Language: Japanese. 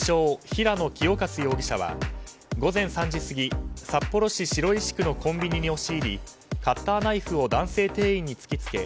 ・平野清勝容疑者は午前３時過ぎ札幌市白石区のコンビニに押し入りカッターナイフを男性店員に突き付け